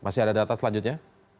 masih ada data selanjutnya